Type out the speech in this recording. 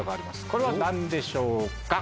これは何でしょうか？